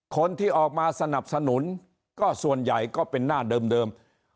คนที่ออกมาสนับสนุนก็ส่วนใหญ่ก็เป็นหน้าเดิม